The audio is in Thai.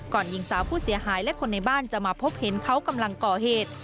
หญิงสาวผู้เสียหายและคนในบ้านจะมาพบเห็นเขากำลังก่อเหตุ